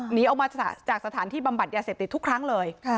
หนีออกมาจากสถานที่บำบัดยาเสพติดทุกครั้งเลย